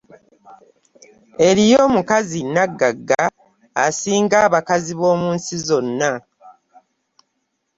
Eriyo omukazi naggagga asinga abakazi b'omu nsi zonna.